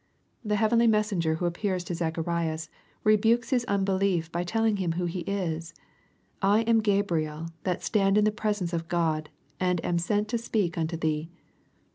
The heavenly messenger who appears to Zacharias, rebukes his unbelief by telling him who he is : "I am Gabriel, that stand in the presence of God ; and am sent to speak unto thee."